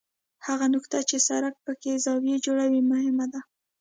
هغه نقطه چې سړک پکې زاویه جوړوي مهم ده